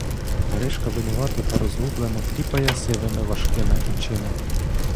Гришка винувато та розгублено кліпає сивими, важкими очима.